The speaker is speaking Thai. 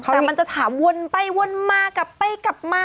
แต่มันจะถามวนไปวนมากลับไปกลับมา